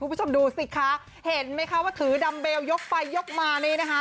คุณผู้ชมดูสิคะเห็นไหมคะว่าถือดัมเบลยกไปยกมานี่นะคะ